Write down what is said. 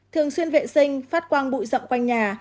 thường xuyên vệ sinh phát quang bụi rậm quanh nhà